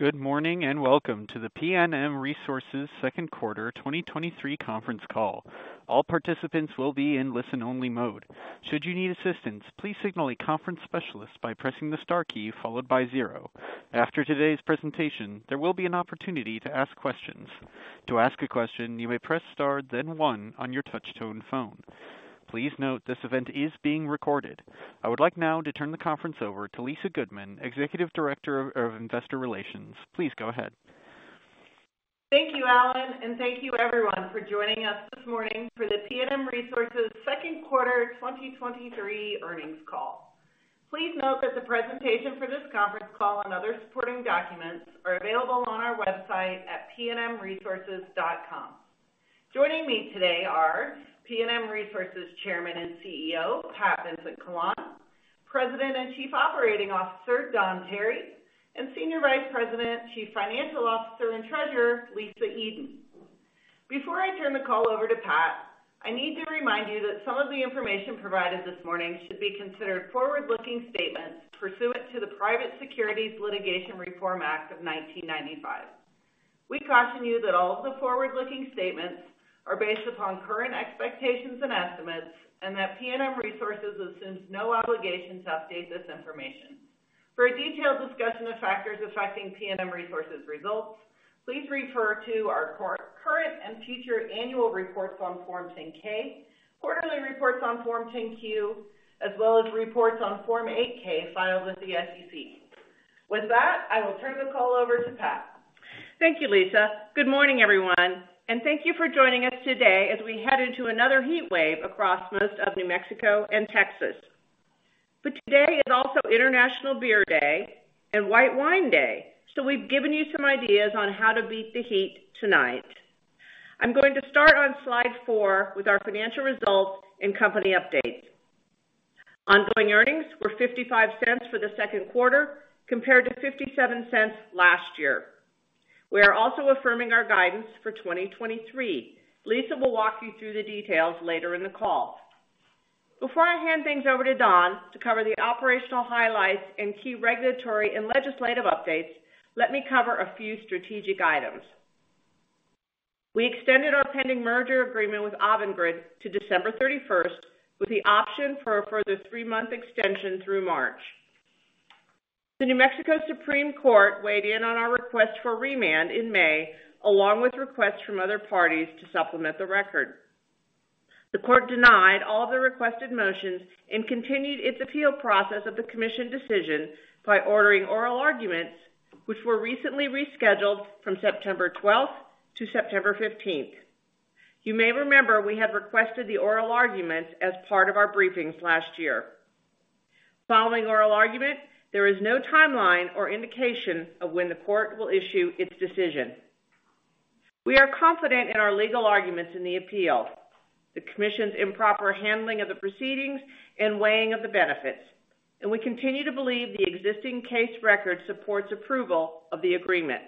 Good morning, welcome to the PNM Resources Q2 2023 conference call. All participants will be in listen-only mode. Should you need assistance, please signal a conference specialist by pressing the star key followed by 0. After today's presentation, there will be an opportunity to ask questions. To ask a question, you may press star, then 1 on your touch-tone phone. Please note, this event is being recorded. I would like now to turn the conference over to Lisa Goodman, Executive Director of Investor Relations. Please go ahead. Thank you, Alan. Thank you everyone for joining us this morning for the PNM Resources Q2 2023 earnings call. Please note that the presentation for this conference call and other supporting documents are available on our website at pnmresources.com. Joining me today are PNM Resources Chairman and CEO, Pat Vincent-Collawn, President and Chief Operating Officer, Don Tarry, and Senior Vice President, Chief Financial Officer, and Treasurer, Lisa Eden. Before I turn the call over to Pat, I need to remind you that some of the information provided this morning should be considered forward-looking statements pursuant to the Private Securities Litigation Reform Act of 1995. We caution you that all of the forward-looking statements are based upon current expectations and estimates and that PNM Resources assumes no obligation to update this information. For a detailed discussion of factors affecting PNM Resources results, please refer to our current and future annual reports on Form 10-K, quarterly reports on Form 10-Q, as well as reports on Form 8-K filed with the SEC. With that, I will turn the call over to Pat. Thank you, Lisa. Good morning, everyone, and thank you for joining us today as we head into another heatwave across most of New Mexico and Texas. Today is also International Beer Day and National White Wine Day, so we've given you some ideas on how to beat the heat tonight. I'm going to start on slide 4 with our financial results and company updates. Ongoing earnings were $0.55 for the Q2, compared to $0.57 last year. We are also affirming our guidance for 2023. Lisa will walk you through the details later in the call. Before I hand things over to Don to cover the operational highlights and key regulatory and legislative updates, let me cover a few strategic items. We extended our pending merger agreement with AVANGRID to December 31st, with the option for a further 3-month extension through March. The New Mexico Supreme Court weighed in on our request for remand in May, along with requests from other parties to supplement the record. The court denied all the requested motions and continued its appeal process of the Commission decision by ordering oral arguments, which were recently rescheduled from September 12th to September 15th. You may remember we had requested the oral argument as part of our briefings last year. Following oral argument, there is no timeline or indication of when the court will issue its decision. We are confident in our legal arguments in the appeal, the Commission's improper handling of the proceedings, and weighing of the benefits. We continue to believe the existing case record supports approval of the agreement.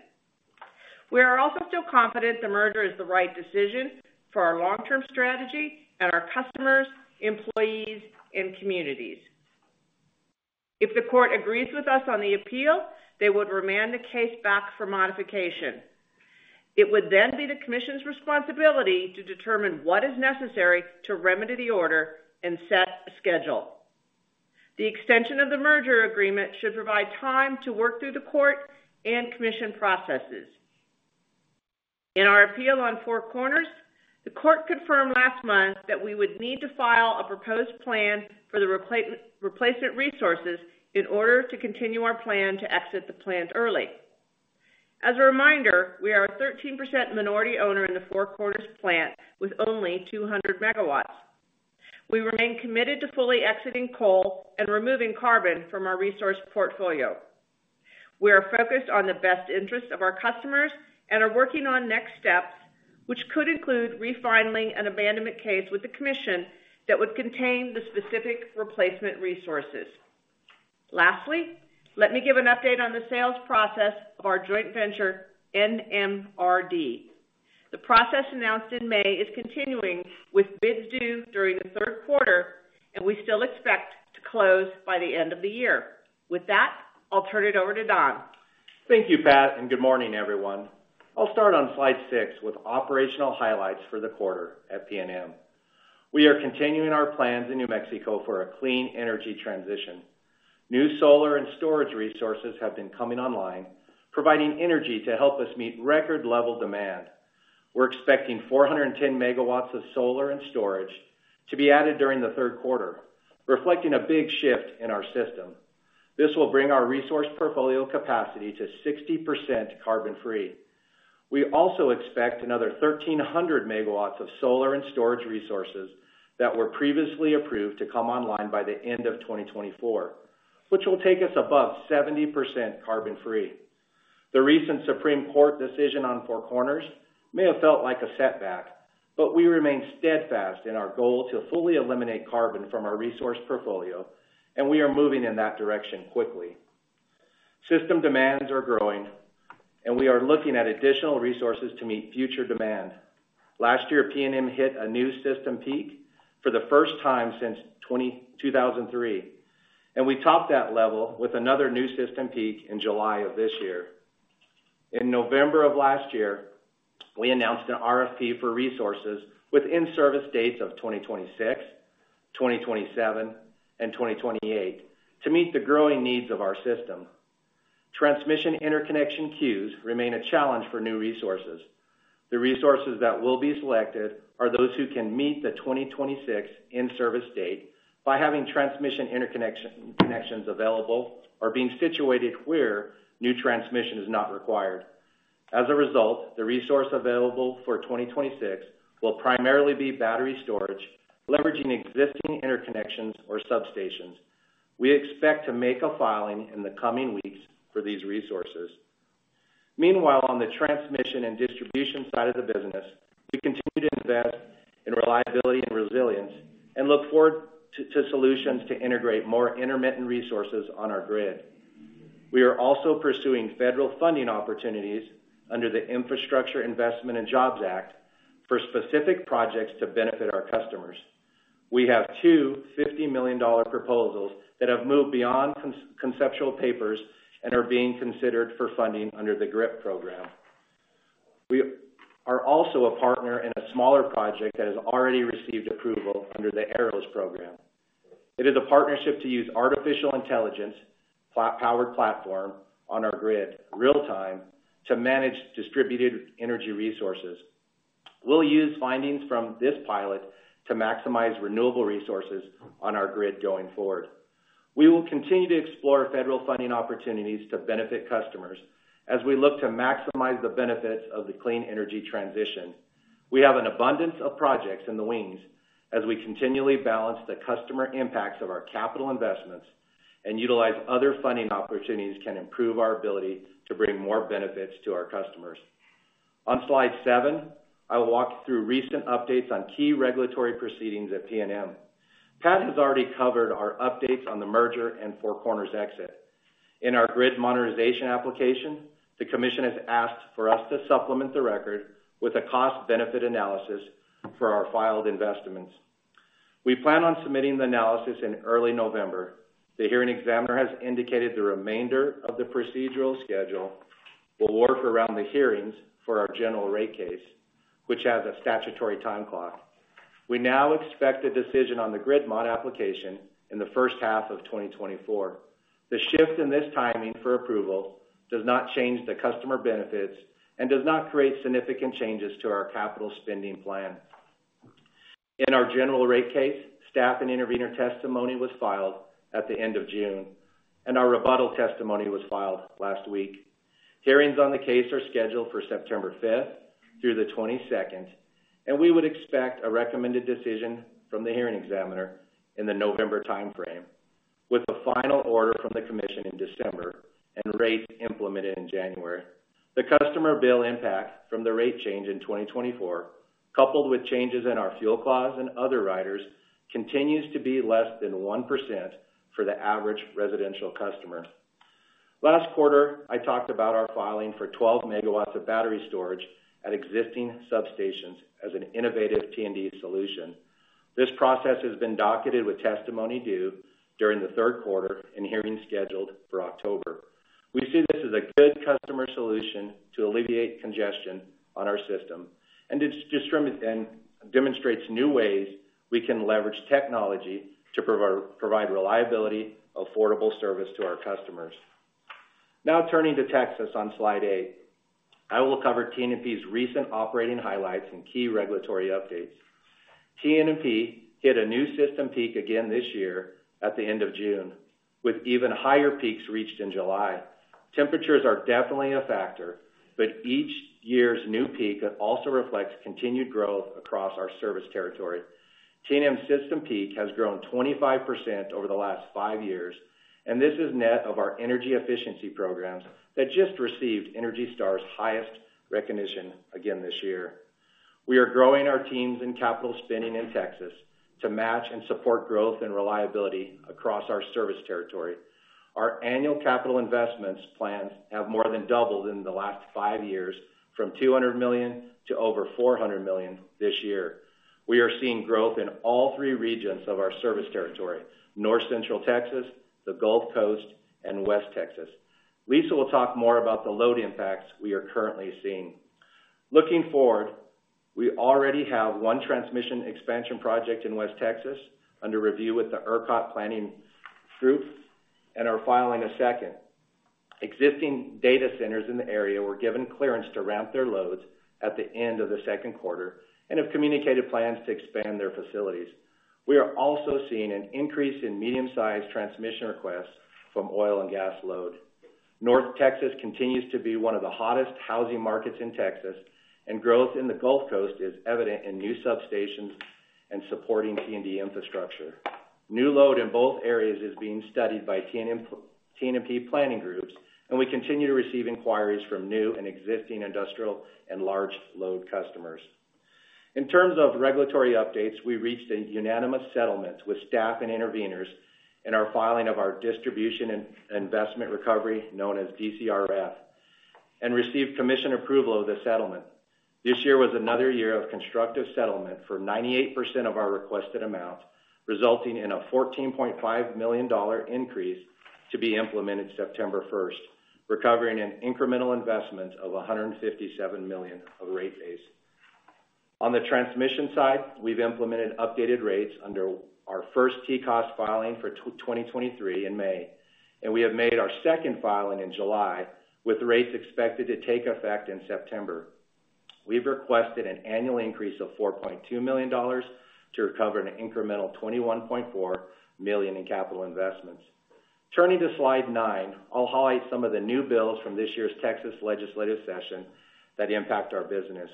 We are also still confident the merger is the right decision for our long-term strategy and our customers, employees, and communities. If the court agrees with us on the appeal, they would remand the case back for modification. It would then be the Commission's responsibility to determine what is necessary to remedy the order and set a schedule. The extension of the merger agreement should provide time to work through the court and Commission processes. In our appeal on Four Corners, the court confirmed last month that we would need to file a proposed plan for the replacement resources in order to continue our plan to exit the plant early. As a reminder, we are a 13% minority owner in the Four Corners plant with only 200 megawatts. We remain committed to fully exiting coal and removing carbon from our resource portfolio. We are focused on the best interests of our customers and are working on next steps, which could include refiling an abandonment case with the commission that would contain the specific replacement resources. Lastly, let me give an update on the sales process of our joint venture, NMRD. The process announced in May is continuing with bids due during the Q3, and we still expect to close by the end of the year. With that, I'll turn it over to Don. Thank you, Pat, and good morning, everyone. I'll start on slide 6 with operational highlights for the quarter at PNM. We are continuing our plans in New Mexico for a clean energy transition. New solar and storage resources have been coming online, providing energy to help us meet record-level demand. We're expecting 410 MW of solar and storage to be added during the Q3, reflecting a big shift in our system. This will bring our resource portfolio capacity to 60% carbon-free. We also expect another 1,300 MW of solar and storage resources that were previously approved to come online by the end of 2024, which will take us above 70% carbon-free. The recent Supreme Court decision on Four Corners may have felt like a setback, We remain steadfast in our goal to fully eliminate carbon from our resource portfolio, We are moving in that direction quickly. System demands are growing. We are looking at additional resources to meet future demand. Last year, PNM hit a new system peak for the first time since 2003, We topped that level with another new system peak in July of this year. In November of last year, we announced an RFP for resources with in-service dates of 2026, 2027, and 2028 to meet the growing needs of our system. Transmission interconnection queues remain a challenge for new resources. The resources that will be selected are those who can meet the 2026 in-service date by having transmission interconnection, connections available or being situated where new transmission is not required. As a result, the resource available for 2026 will primarily be battery storage, leveraging existing interconnections or substations. We expect to make a filing in the coming weeks for these resources. Meanwhile, on the transmission and distribution side of the business, we continue to invest in reliability and resilience and look forward to solutions to integrate more intermittent resources on our grid. We are also pursuing federal funding opportunities under the Infrastructure Investment and Jobs Act for specific projects to benefit our customers. We have $250 million proposals that have moved beyond conceptual papers and are being considered for funding under the GRIP program. We are also a partner in a smaller project that has already received approval under the AEROS program. It is a partnership to use artificial intelligence powered platform on our grid real-time to manage distributed energy resources. We'll use findings from this pilot to maximize renewable resources on our grid going forward. We will continue to explore federal funding opportunities to benefit customers as we look to maximize the benefits of the clean energy transition. We have an abundance of projects in the wings as we continually balance the customer impacts of our capital investments and utilize other funding opportunities can improve our ability to bring more benefits to our customers. On slide 7, I will walk you through recent updates on key regulatory proceedings at PNM. Pat has already covered our updates on the merger and Four Corners exit. In our grid modernization application, the commission has asked for us to supplement the record with a cost-benefit analysis for our filed investments. We plan on submitting the analysis in early November. The hearing examiner has indicated the remainder of the procedural schedule will work around the hearings for our general rate case, which has a statutory time clock. We now expect a decision on the grid mod application in the first half of 2024. The shift in this timing for approval does not change the customer benefits and does not create significant changes to our capital spending plan. In our general rate case, staff and intervener testimony was filed at the end of June, and our rebuttal testimony was filed last week. Hearings on the case are scheduled for September 5th through the 22nd. We would expect a recommended decision from the hearing examiner in the November timeframe, with a final order from the commission in December and rates implemented in January. The customer bill impact from the rate change in 2024, coupled with changes in our fuel clause and other riders, continues to be less than 1% for the average residential customer. Last quarter, I talked about our filing for 12 megawatts of battery storage at existing substations as an innovative T&D solution. This process has been docketed with testimony due during the 3rd quarter and hearings scheduled for October. We see this as a good customer solution to alleviate congestion on our system, it's distri-- and demonstrates new ways we can leverage technology to provi- provide reliability, affordable service to our customers. Turning to Texas on slide 8, I will cover TNMP's recent operating highlights and key regulatory updates. TNMP hit a new system peak again this year at the end of June, with even higher peaks reached in July. Temperatures are definitely a factor, each year's new peak also reflects continued growth across our service territory. TNMP system peak has grown 25% over the last 5 years, and this is net of our energy efficiency programs that just received ENERGY STAR's highest recognition again this year. We are growing our teams in capital spending in Texas to match and support growth and reliability across our service territory. Our annual capital investments plans have more than doubled in the last 5 years from $200 million to over $400 million this year. We are seeing growth in all three regions of our service territory: North Central Texas, the Gulf Coast, and West Texas. Lisa will talk more about the load impacts we are currently seeing. Looking forward, we already have one transmission expansion project in West Texas under review with the ERCOT planning group and are filing a second. Existing data centers in the area were given clearance to ramp their loads at the end of the Q2 and have communicated plans to expand their facilities. We are also seeing an increase in medium-sized transmission requests from oil and gas load. North Texas continues to be one of the hottest housing markets in Texas, and growth in the Gulf Coast is evident in new substations and supporting T&D infrastructure. New load in both areas is being studied by TNMP planning groups, and we continue to receive inquiries from new and existing industrial and large load customers. In terms of regulatory updates, we reached a unanimous settlement with staff and interveners in our filing of our distribution and investment recovery, known as DCRF, and received commission approval of the settlement. This year was another year of constructive settlement for 98% of our requested amount, resulting in a $14.5 million increase to be implemented September 1st, recovering an incremental investment of $157 million of rate base. On the transmission side, we've implemented updated rates under our 1st TCOS filing for 2023 in May, and we have made our 2nd filing in July, with rates expected to take effect in September. We've requested an annual increase of $4.2 million to recover an incremental $21.4 million in capital investments. Turning to slide 9, I'll highlight some of the new bills from this year's Texas legislative session that impact our business.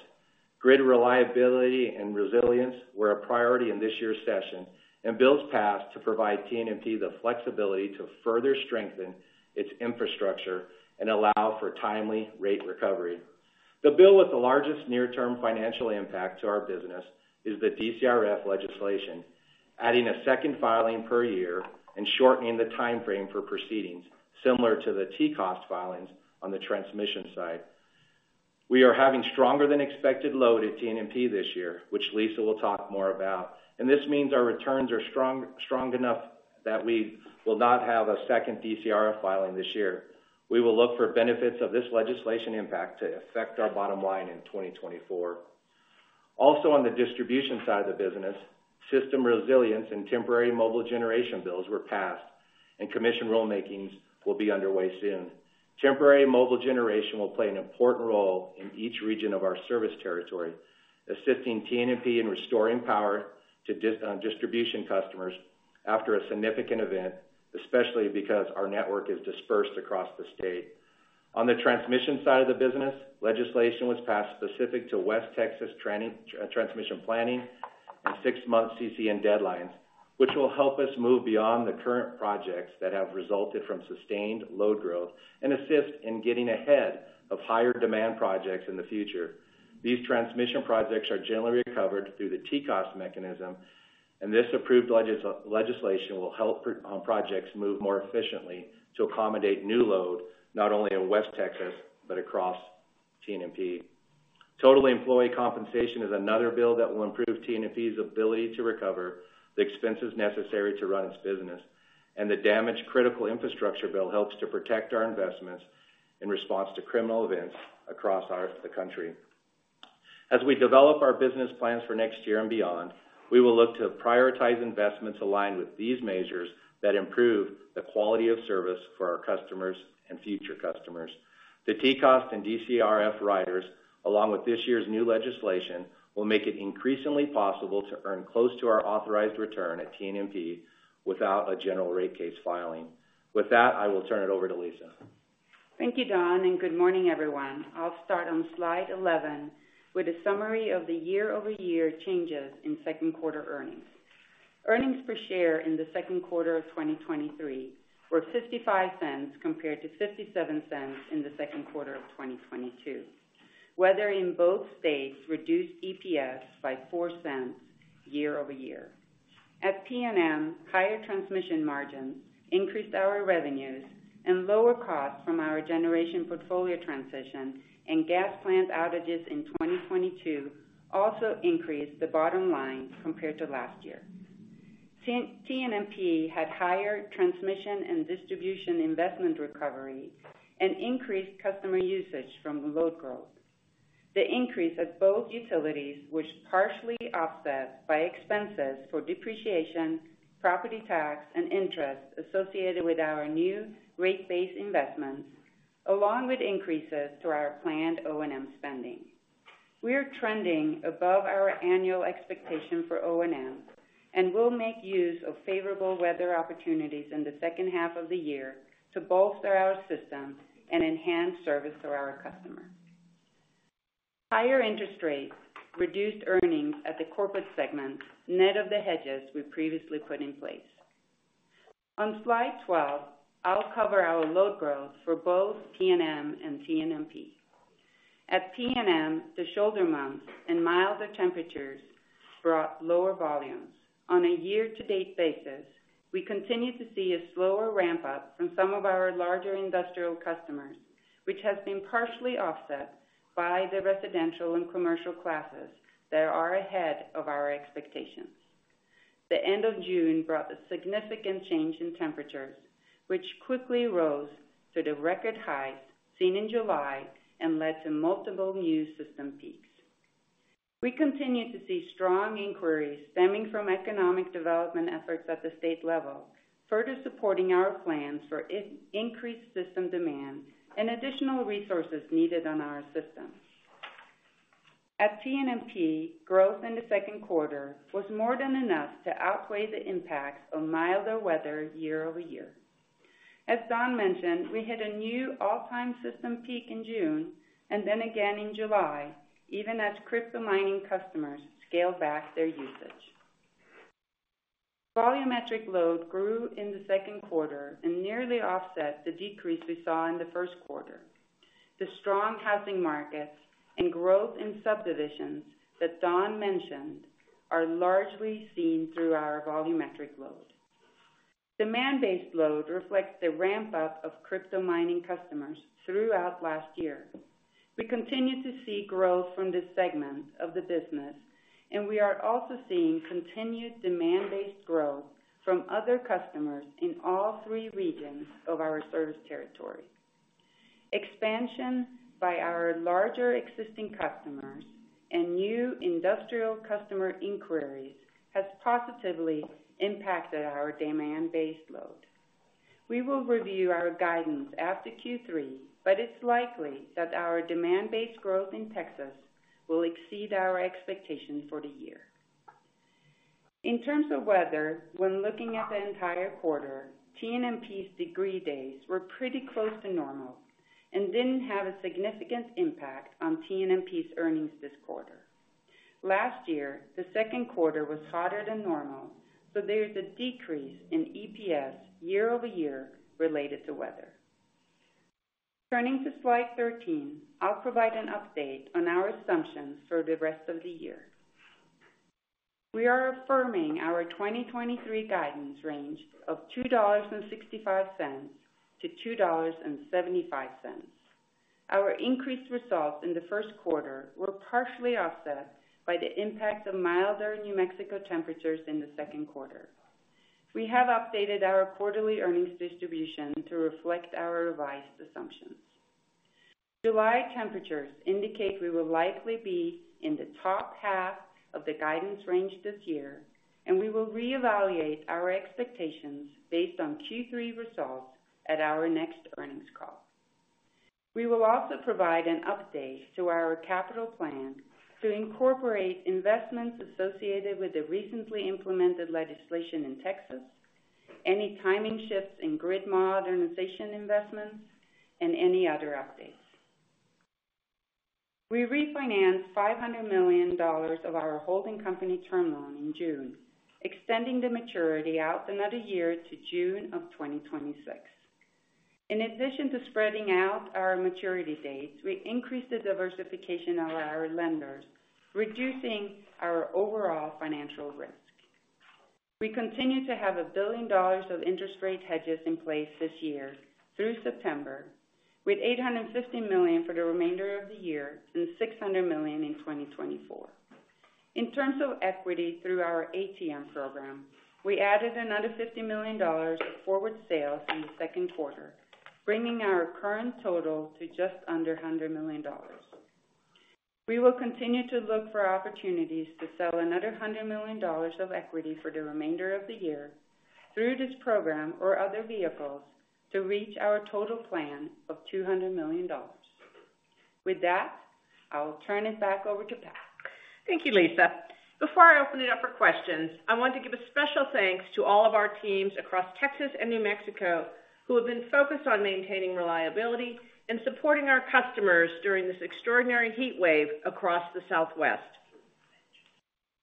Grid reliability and resilience were a priority in this year's session. Bills passed to provide TNMP the flexibility to further strengthen its infrastructure and allow for timely rate recovery. The bill with the largest near-term financial impact to our business is the DCRF legislation, adding a second filing per year and shortening the timeframe for proceedings, similar to the TCOS filings on the transmission side. We are having stronger than expected load at TNMP this year, which Lisa will talk more about, and this means our returns are strong, strong enough that we will not have a second DCRF filing this year. We will look for benefits of this legislation impact to affect our bottom line in 2024. Also, on the distribution side of the business, system resilience and temporary mobile generation bills were passed, and commission rulemakings will be underway soon. Temporary mobile generation will play an important role in each region of our service territory, assisting TNMP in restoring power to distribution customers after a significant event, especially because our network is dispersed across the state. On the transmission side of the business, legislation was passed specific to West Texas transmission planning and 6-month CCN deadlines, which will help us move beyond the current projects that have resulted from sustained load growth and assist in getting ahead of higher demand projects in the future. These transmission projects are generally recovered through the TCOS mechanism. This approved legislation will help projects move more efficiently to accommodate new load, not only in West Texas, but across TNMP. Total employee compensation is another bill that will improve TNMP's ability to recover the expenses necessary to run its business. The damaged critical infrastructure bill helps to protect our investments in response to criminal events across our, the country. As we develop our business plans for next year and beyond, we will look to prioritize investments aligned with these measures that improve the quality of service for our customers and future customers. The TCOS and DCRF riders, along with this year's new legislation, will make it increasingly possible to earn close to our authorized return at TNMP without a general rate case filing. With that, I will turn it over to Lisa. Thank you, Don. Good morning, everyone. I'll start on slide 11 with a summary of the year-over-year changes in Q2 earnings. Earnings per share in the Q2 of 2023 were $0.55, compared to $0.57 in the Q2 of 2022. Weather in both states reduced EPS by $0.04 year-over-year. At PNM, higher transmission margins increased our revenues and lower costs from our generation portfolio transition and gas plant outages in 2022 also increased the bottom line compared to last year. TNMP had higher transmission and distribution investment recovery and increased customer usage from the load growth. The increase at both utilities, which partially offset by expenses for depreciation, property tax, and interest associated with our new rate base investments, along with increases to our planned O&M spending. We are trending above our annual expectation for O&M, we'll make use of favorable weather opportunities in the second half of the year to bolster our system and enhance service to our customers. Higher interest rates reduced earnings at the corporate segment, net of the hedges we previously put in place. On slide 12, I'll cover our load growth for both PNM and TNMP. At PNM, the shoulder months and milder temperatures brought lower volumes. On a year-to-date basis, we continue to see a slower ramp-up from some of our larger industrial customers, which has been partially offset by the residential and commercial classes that are ahead of our expectations. The end of June brought a significant change in temperatures, which quickly rose to the record highs seen in July and led to multiple new system peaks. We continue to see strong inquiries stemming from economic development efforts at the state level, further supporting our plans for increased system demand and additional resources needed on our system. At TNMP, growth in the Q2 was more than enough to outweigh the impacts of milder weather year-over-year. As Don mentioned, we hit a new all-time system peak in June, and then again in July, even as crypto mining customers scaled back their usage. Volumetric load grew in the Q2 and nearly offset the decrease we saw in the Q1. The strong housing market and growth in subdivisions that Don mentioned are largely seen through our volumetric load. Demand-based load reflects the ramp-up of crypto mining customers throughout last year. We continue to see growth from this segment of the business, and we are also seeing continued demand-based growth from other customers in all 3 regions of our service territory. Expansion by our larger existing customers and new industrial customer inquiries has positively impacted our demand-based load. We will review our guidance after Q3, but it's likely that our demand-based growth in Texas will exceed our expectations for the year. In terms of weather, when looking at the entire quarter, TNMP's degree days were pretty close to normal and didn't have a significant impact on TNMP's earnings this quarter. Last year, the Q2 was hotter than normal, so there is a decrease in EPS year-over-year related to weather. Turning to slide 13, I'll provide an update on our assumptions for the rest of the year. We are affirming our 2023 guidance range of $2.65 to 2.75. Our increased results in the Q1 were partially offset by the impact of milder New Mexico temperatures in the Q2. We have updated our quarterly earnings distribution to reflect our revised assumptions. July temperatures indicate we will likely be in the top half of the guidance range this year. We will reevaluate our expectations based on Q3 results at our next earnings call. We will also provide an update to our capital plan to incorporate investments associated with the recently implemented legislation in Texas, any timing shifts in grid modernization investments, and any other updates. We refinanced $500 million of our holding company term loan in June, extending the maturity out another year to June of 2026. In addition to spreading out our maturity dates, we increased the diversification of our lenders, reducing our overall financial risk. We continue to have $1 billion of interest rate hedges in place this year through September, with $850 million for the remainder of the year and $600 million in 2024. In terms of equity through our ATM program, we added another $50 million of forward sales in the Q2, bringing our current total to just under $100 million. We will continue to look for opportunities to sell another $100 million of equity for the remainder of the year through this program or other vehicles to reach our total plan of $200 million. With that, I'll turn it back over to Pat. Thank you, Lisa. Before I open it up for questions, I want to give a special thanks to all of our teams across Texas and New Mexico who have been focused on maintaining reliability and supporting our customers during this extraordinary heat wave across the Southwest.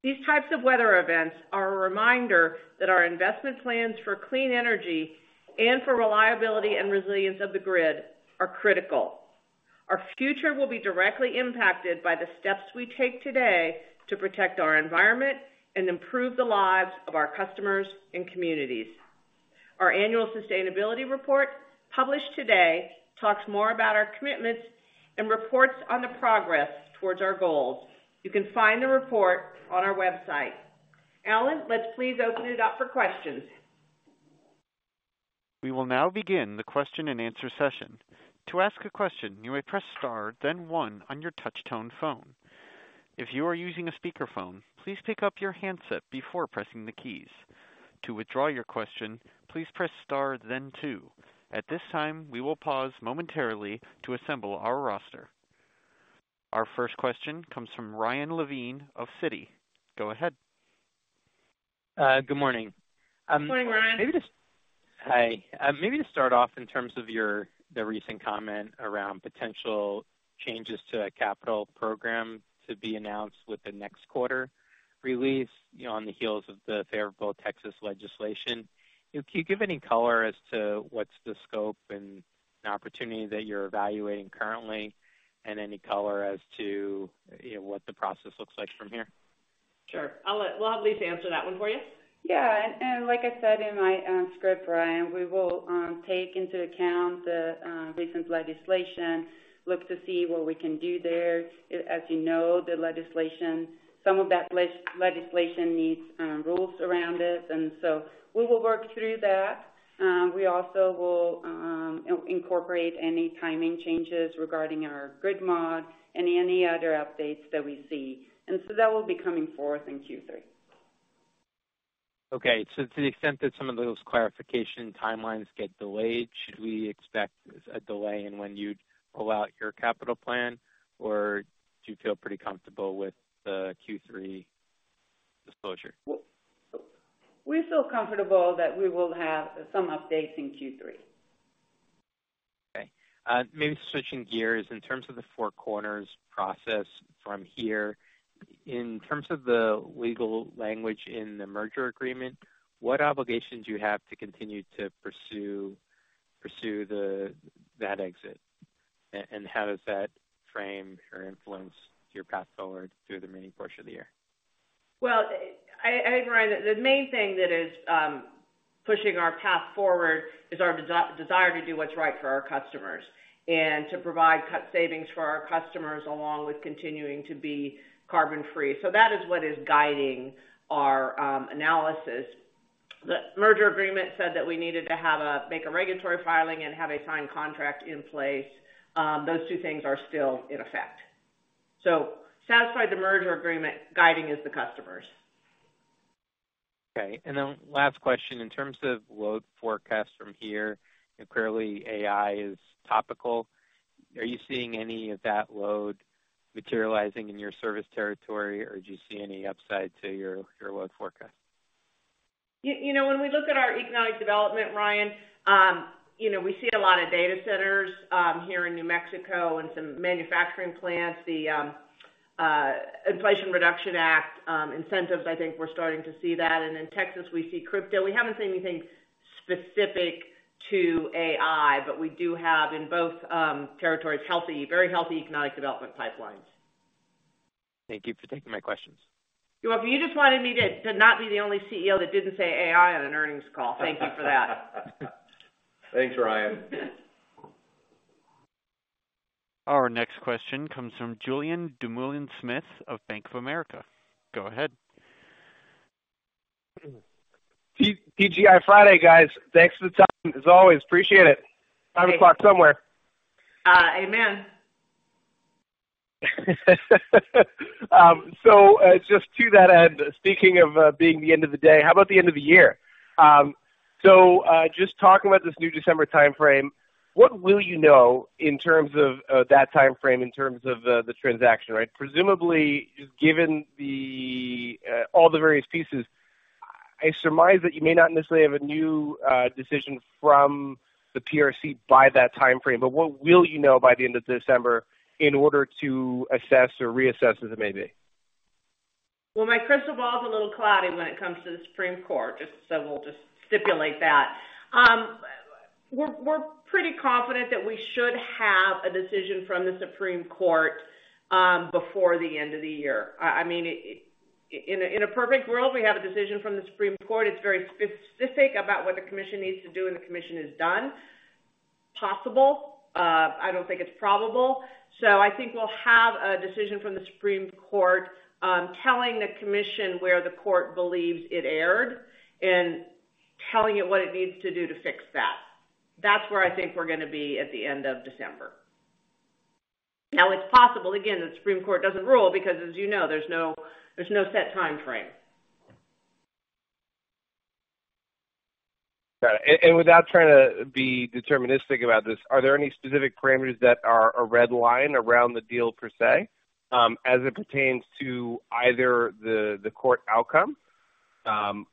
These types of weather events are a reminder that our investment plans for clean energy and for reliability and resilience of the grid are critical. Our future will be directly impacted by the steps we take today to protect our environment and improve the lives of our customers and communities. Our annual sustainability report, published today, talks more about our commitments and reports on the progress towards our goals. You can find the report on our website. Alan, let's please open it up for questions. We will now begin the question-and-answer session. To ask a question, you may press star, then 1 on your touch tone phone. If you are using a speakerphone, please pick up your handset before pressing the keys. To withdraw your question, please press star then 2. At this time, we will pause momentarily to assemble our roster. Our first question comes from Ryan Levine of Citi. Go ahead. Good morning. Good morning, Ryan. Hi, maybe to start off in terms of your, the recent comment around potential changes to a capital program to be announced with the next quarter release, you know, on the heels of the favorable Texas legislation, can you give any color as to what's the scope and opportunity that you're evaluating currently, and any color as to, you know, what the process looks like from here? Sure. We'll have Lisa answer that one for you. Yeah, and, like I said in my script, Ryan, we will take into account the recent legislation, look to see what we can do there. As you know, some of that legislation needs rules around it, and so we will work through that. We also will incorporate any timing changes regarding our grid mod and any other updates that we see. So that will be coming forth in Q3. Okay. To the extent that some of those clarification timelines get delayed, should we expect a delay in when you'd roll out your capital plan, or do you feel pretty comfortable with the Q3 disclosure? We feel comfortable that we will have some updates in Q3. Okay. maybe switching gears, in terms of the Four Corners process from here, in terms of the legal language in the merger agreement, what obligations you have to continue to pursue that exit? How does that frame or influence your path forward through the remaining portion of the year? Well, I, I agree that the main thing that is pushing our path forward is our desire to do what's right for our customers and to provide cost savings for our customers, along with continuing to be carbon-free. That is what is guiding our analysis. The merger agreement said that we needed to make a regulatory filing and have a signed contract in place. Those two things are still in effect. Satisfied the merger agreement, guiding is the customers. Okay, last question, in terms of load forecasts from here, and clearly AI is topical, are you seeing any of that load materializing in your service territory, or do you see any upside to your, your load forecast? You, you know, when we look at our economic development, Ryan, you know, we see a lot of data centers here in New Mexico and some manufacturing plants. The Inflation Reduction Act incentives, I think we're starting to see that. In Texas, we see crypto. We haven't seen anything specific to AI, but we do have, in both territories, healthy, very healthy economic development pipelines. Thank you for taking my questions. You're welcome. You just wanted me to, to not be the only CEO that didn't say AI on an earnings call. Thank you for that. Thanks, Ryan. Our next question comes from Julien Dumoulin-Smith of Bank of America. Go ahead. TGI Friday, guys. Thanks for the time, as always. Appreciate it. Five o'clock somewhere. Amen. Just to that end, speaking of, being the end of the day, how about the end of the year? Just talking about this new December timeframe, what will you know in terms of, of that timeframe, in terms of, the transaction, right? Presumably, given the, all the various pieces, I surmise that you may not necessarily have a new, decision from the PRC by that timeframe, but what will you know by the end of December in order to assess or reassess as it may be? Well, my crystal ball is a little cloudy when it comes to the Supreme Court, just so we'll just stipulate that. We're pretty confident that we should have a decision from the Supreme Court before the end of the year. I mean, in a perfect world, we have a decision from the Supreme Court. It's very specific about what the Commission needs to do, and the Commission is done. Possible. I don't think it's probable. I think we'll have a decision from the Supreme Court, telling the Commission where the court believes it erred and telling it what it needs to do to fix that. That's where I think we're going to be at the end of December. It's possible, again, the Supreme Court doesn't rule, because, as you know, there's no, there's no set timeframe. Got it. without trying to be deterministic about this, are there any specific parameters that are a red line around the deal per se, as it pertains to either the, the court outcome,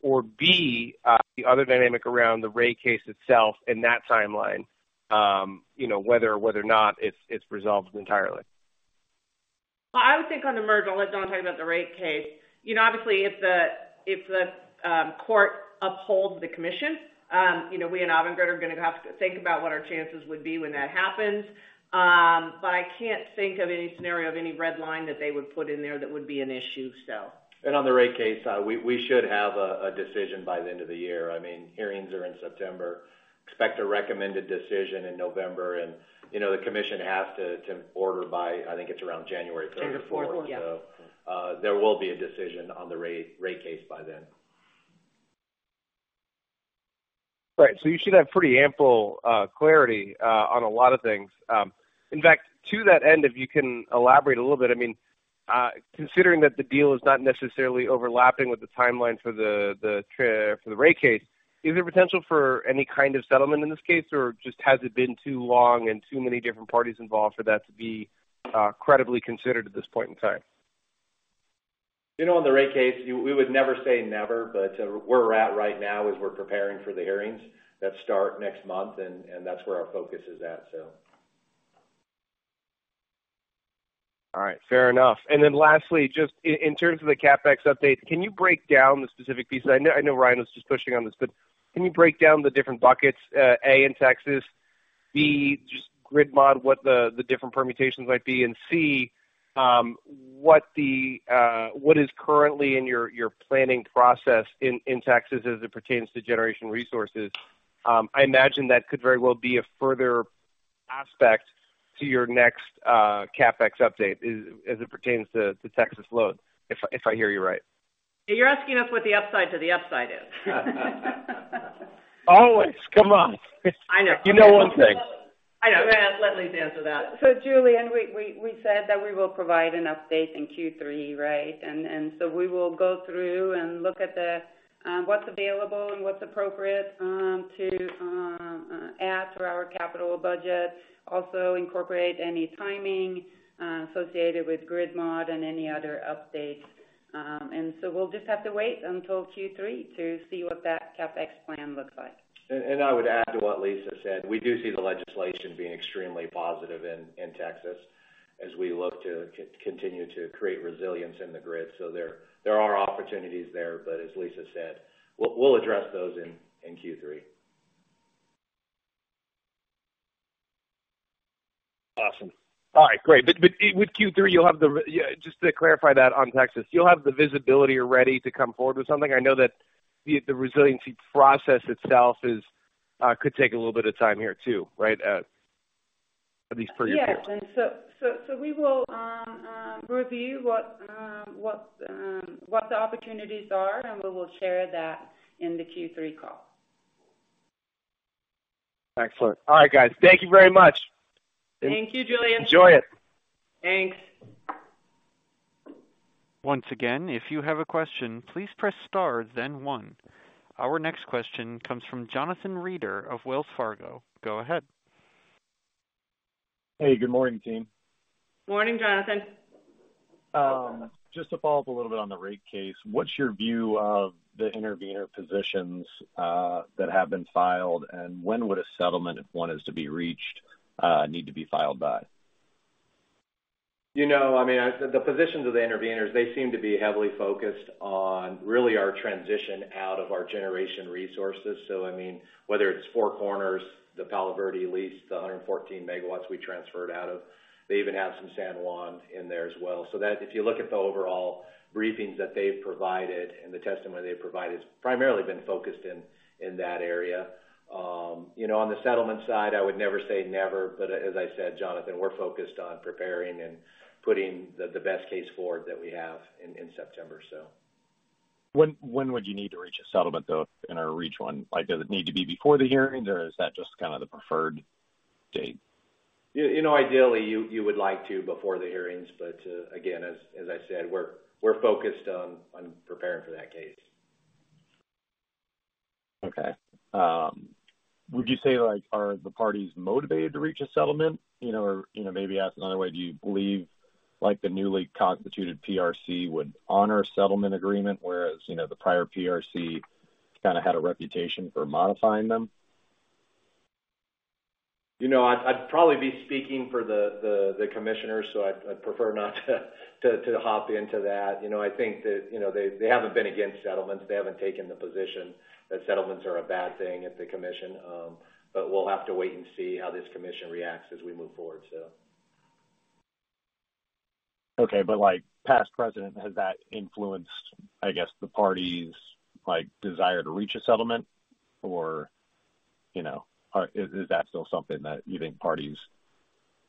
or B, the other dynamic around the rate case itself and that timeline, you know, whether, whether or not it's, it's resolved entirely? Well, I would think on the merge, I'll let Don talk about the rate case. You know, obviously, if the, if the court upholds the commission, you know, we and AVANGRID are going to have to think about what our chances would be when that happens. I can't think of any scenario of any red line that they would put in there that would be an issue, so. On the rate case, we, we should have a, a decision by the end of the year. I mean, hearings are in September. Expect a recommended decision in November. You know, the Commission has to, to order by, I think it's around January 31st. January fourth, yeah. There will be a decision on the rate, rate case by then. Right. You should have pretty ample clarity on a lot of things. In fact, to that end, if you can elaborate a little bit, I mean, considering that the deal is not necessarily overlapping with the timeline for the rate case, is there potential for any kind of settlement in this case, or just has it been too long and too many different parties involved for that to be credibly considered at this point in time? You know, on the rate case, we would never say never, but where we're at right now is we're preparing for the hearings that start next month, and that's where our focus is at, so. All right. Fair enough. Lastly, just in terms of the CapEx update, can you break down the specific pieces? I know, I know Ryan was just pushing on this, but can you break down the different buckets, A, in Texas, B, just grid mod, what the, the different permutations might be, and C, what the, what is currently in your, your planning process in, in Texas as it pertains to generation resources? I imagine that could very well be a further aspect to your next CapEx update, as it pertains to, to Texas load, if I, if I hear you right. You're asking us what the upside to the upside is. Always! Come on. I know. You know one thing. I know. I'm going to let Lisa answer that. Julien, we, we, we said that we will provide an update in Q3, right? We will go through and look at the what's available and what's appropriate to add to our capital budget. Also incorporate any timing associated with grid mod and any other updates.... we'll just have to wait until Q3 to see what that CapEx plan looks like. I would add to what Lisa said, we do see the legislation being extremely positive in, in Texas as we look to continue to create resilience in the grid. There, there are opportunities there, but as Lisa said, we'll, we'll address those in Q3. Awesome. All right, great. With Q3, you'll have just to clarify that on Texas, you'll have the visibility or ready to come forward with something? I know that the resiliency process itself is could take a little bit of time here too, right, at least for your view? Yes. So, so, so we will review what, what, what the opportunities are, and we will share that in the Q3 call. Excellent. All right, guys. Thank you very much. Thank you, Julien. Enjoy it. Thanks. Once again, if you have a question, please press star, then 1. Our next question comes from Jonathan Reeder of Wells Fargo. Go ahead. Hey, good morning, team. Morning, Jonathan. Just to follow up a little bit on the rate case, what's your view of the intervener positions that have been filed? When would a settlement, if one is to be reached, need to be filed by? You know, I mean, the, the positions of the interveners, they seem to be heavily focused on really our transition out of our generation resources. I mean, whether it's Four Corners, the Palo Verde lease, the 114 megawatts we transferred out of, they even have some San Juan in there as well. That if you look at the overall briefings that they've provided and the testimony they've provided, it's primarily been focused in, in that area. You know, on the settlement side, I would never say never, but as I said, Jonathan, we're focused on preparing and putting the, the best case forward that we have in, in September. When would you need to reach a settlement, though, in order to reach one? Like, does it need to be before the hearing, or is that just kind of the preferred date? You know, ideally, you, you would like to before the hearings, but, again, as, as I said, we're, we're focused on, on preparing for that case. Okay. Would you say, like, are the parties motivated to reach a settlement? You know, or, you know, maybe ask another way: Do you believe, like, the newly constituted PRC would honor a settlement agreement, whereas, you know, the prior PRC kind of had a reputation for modifying them? You know, I'd, I'd probably be speaking for the, the, the commissioners, so I'd, I'd prefer not to to, to hop into that. You know, I think that, you know, they, they haven't been against settlements. They haven't taken the position that settlements are a bad thing at the commission, but we'll have to wait and see how this commission reacts as we move forward, so. Okay, like, past precedent, has that influenced, I guess, the parties', like, desire to reach a settlement? Or, you know, is, is that still something that you think parties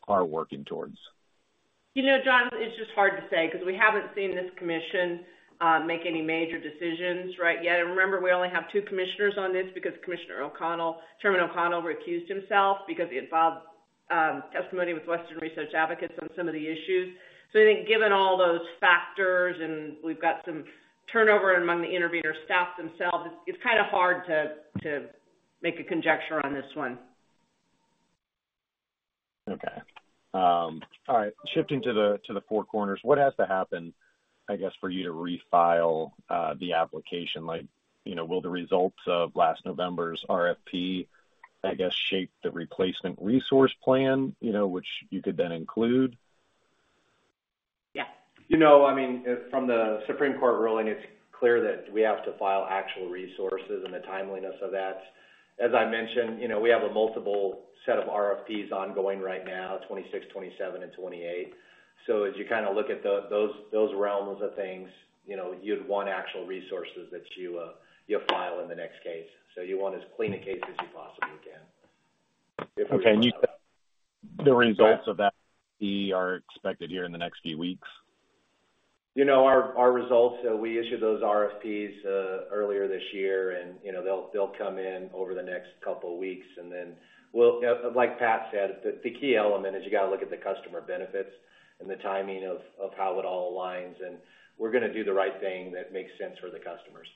are working towards? You know, Jonathan, it's just hard to say because we haven't seen this commission make any major decisions right yet. And remember, we only have two commissioners on this because Commissioner O'Connell, Chairman O'Connell, recused himself because he had filed testimony with Western Resource Advocates on some of the issues. I think given all those factors, and we've got some turnover among the intervener staff themselves, it's, it's kind of hard to make a conjecture on this one. Okay. All right. Shifting to the, to the Four Corners, what has to happen, I guess, for you to refile, the application? Like, you know, will the results of last November's RFP, I guess, shape the replacement resource plan, you know, which you could then include? Yes. You know, I mean, from the Supreme Court ruling, it's clear that we have to file actual resources and the timeliness of that. As I mentioned, you know, we have a multiple set of RFPs ongoing right now, 26, 27, and 28. As you kind of look at those, those realms of things, you know, you'd want actual resources that you file in the next case. You want as clean a case as you possibly can. Okay. You said the results of that are expected here in the next few weeks? You know, our, our results, we issued those RFPs, earlier this year. You know, they'll, they'll come in over the next couple of weeks. Like Pat said, the, the key element is you got to look at the customer benefits and the timing of, of how it all aligns. We're going to do the right thing that makes sense for the customers.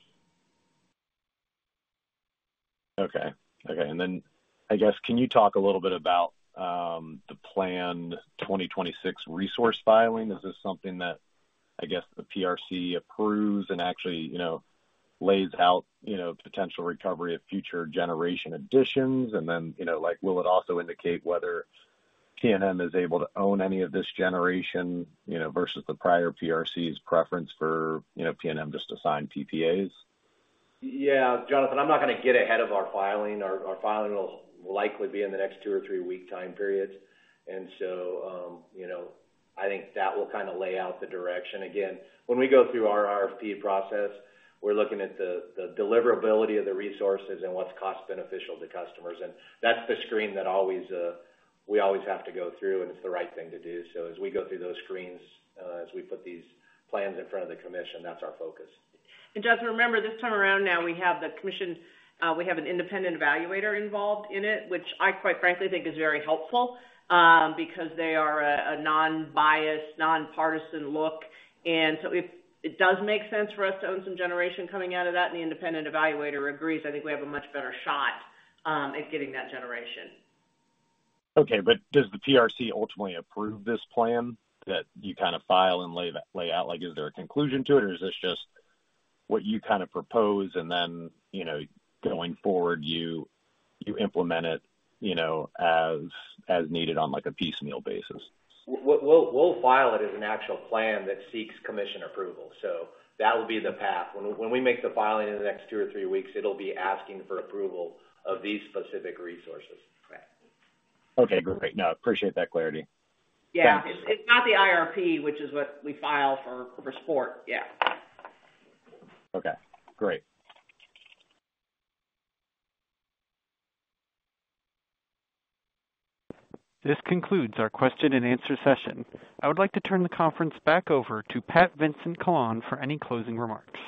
Okay. Okay, I guess, can you talk a little bit about the planned 2026 resource filing? Is this something that, I guess, the PRC approves and actually, you know, lays out, you know, potential recovery of future generation additions? You know, like, will it also indicate whether PNM is able to own any of this generation, you know, versus the prior PRC's preference for, you know, PNM just to sign PPAs? Yeah, Jonathan, I'm not going to get ahead of our filing. Our, our filing will likely be in the next two or three-week time periods. You know, I think that will kind of lay out the direction. Again, when we go through our RFP process, we're looking at the, the deliverability of the resources and what's cost beneficial to customers, and that's the screen that always, we always have to go through, and it's the right thing to do. As we go through those screens, as we put these plans in front of the Commission, that's our focus. Jonathan, remember, this time around now, we have the commission, we have an independent evaluator involved in it, which I quite frankly think is very helpful, because they are a, a non-biased, non-partisan look. If it does make sense for us to own some generation coming out of that, and the independent evaluator agrees, I think we have a much better shot at getting that generation. Okay, does the PRC ultimately approve this plan that you kind of file and lay that, lay out? Like, is there a conclusion to it, or is this just what you kind of propose, and then, you know, going forward, you, you implement it, you know, as, as needed on, like, a piecemeal basis? We'll, we'll file it as an actual plan that seeks commission approval. That will be the path. When, when we make the filing in the next two or three weeks, it'll be asking for approval of these specific resources. Right. Okay, great. No, appreciate that clarity. Yeah. Thanks. It's not the IRP, which is what we file for, for support. Yeah. Okay, great. This concludes our question-and-answer session. I would like to turn the conference back over to Pat Vincent-Collawn for any closing remarks.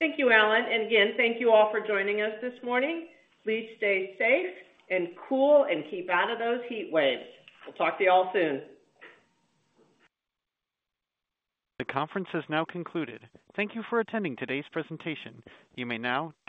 Thank you, Alan, and again, thank you all for joining us this morning. Please stay safe and cool, and keep out of those heat waves. We'll talk to you all soon. The conference is now concluded. Thank you for attending today's presentation. You may now disconnect.